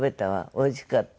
おいしかった。